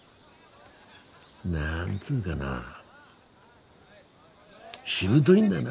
何つうがなしぶといんだな。